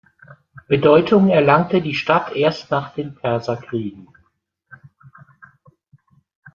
Bedeutung erlangte die Stadt erst nach den Perserkriegen.